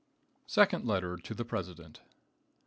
Second Letter to the President.